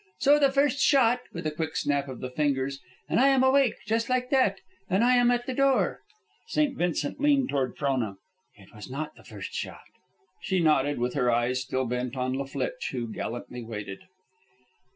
So, the first shot," with a quick snap of the fingers, "and I am awake, just like that, and I am at the door." St. Vincent leaned forward to Frona. "It was not the first shot." She nodded, with her eyes still bent on La Flitche, who gallantly waited.